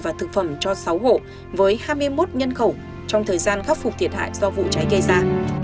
cụ thể hỗ trợ cho sáu hộ với hai mươi một nhân khẩu trong thời gian khắc phục thiệt hại do vụ cháy gây ra